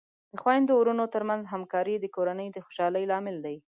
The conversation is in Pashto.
د خویندو ورونو ترمنځ همکاري د کورنۍ د خوشحالۍ لامل دی.